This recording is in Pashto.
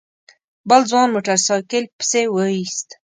بل ځوان موټر سايکل پسې ويست.